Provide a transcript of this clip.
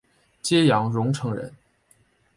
揭阳榕城人。